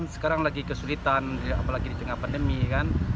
sekarang lagi kesulitan apalagi di tengah pandemi kan